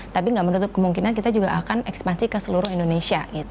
tapi nggak menutup kemungkinan kita juga akan ekspansi ke seluruh indonesia